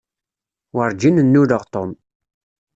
Werǧin nnuleɣ Tom.